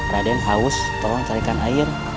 raden haus tolong carikan air